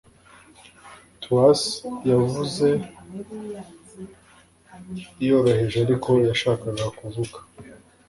Twas yavuze yoroheje ariko yashakaga kuvuga